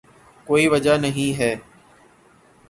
کوئی وجہ نہیں ہے۔